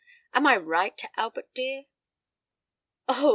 _' Am I right, Albert dear?" "Oh!